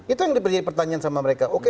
itu yang menjadi pertanyaan sama mereka